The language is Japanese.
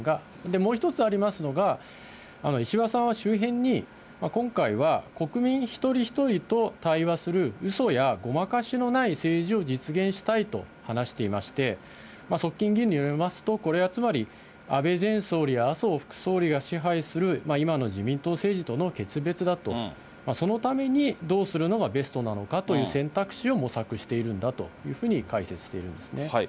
もう一つありますのが、石破さんは周辺に、今回は国民一人一人と対話するうそやごまかしのない政治を実現したいと話していまして、側近議員によりますと、これはつまり安倍前総理、麻生副総理が支配する今の自民党政治との決別だと、そのためにどうするのがベストなのかという選択肢を模索しているんだというふうに解説しているんですね。